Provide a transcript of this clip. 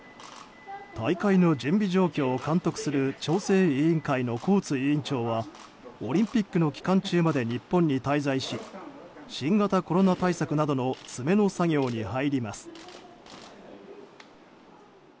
大会の準備状況を監督する調整委員会のコーツ委員長はオリンピックの期間中まで日本に滞在し新型コロナ対策などの詰めの作業に入ります。